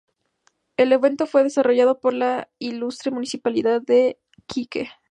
El evento fue desarrollado por la Ilustre Municipalidad de Iquique.